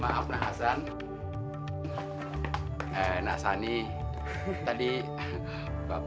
enggak saya yang kekenyangan